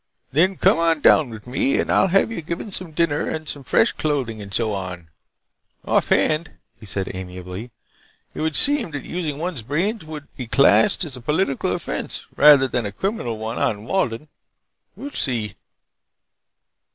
Then come on down with me and I'll have you given some dinner and some fresh clothing and so on. Offhand," he added amiably, "it would seem that using one's brains would be classed as a political offense rather than a criminal one on Walden. We'll see."